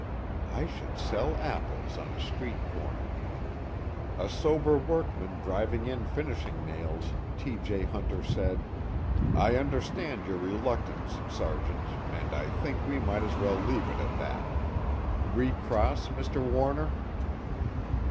I should sell apples on a streetcorner. A sober workman driving in finishing nails, T. J. Hunter said: "I understand your reluctance, Sergeant, and I think we might as well leave it at that. Recross, Mr. Warner?"